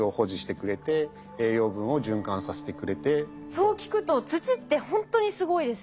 そう聞くと土ってほんとにすごいですね。